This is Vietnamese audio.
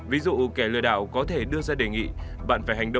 ví dụ kẻ lừa đảo có thể đưa ra đề nghị